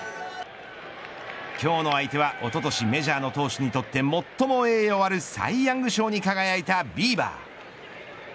今日の相手はおととしメジャーの投手にとって最も栄誉ある賞サイヤング賞に輝いたビーバー。